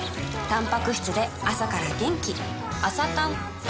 たんぱく質で朝から元気